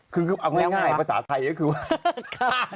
คือเอาง่ายภาษาไทยก็คือว่า